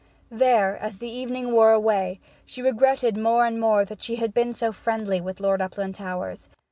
There, as the evening wore away, she regretted more and more that she had been so friendly with Lord Uplandtowers.